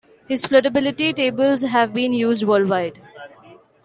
His floodability tables have been used worldwide.